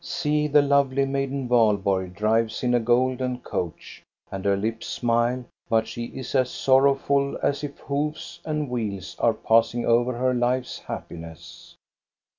" See, the lovely maiden Valborg drives in a golden coach, and her lips smile, but she is as sorrowful as if hoofs and wheels were passing over her life's happiness."